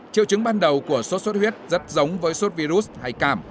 triệu chứng ban đầu của sốt xuất huyết rất giống với sốt virus hay cảm